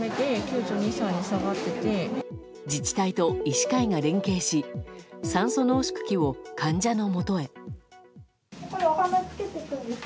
自治体と医師会が連携し酸素濃縮器を患者のもとへ。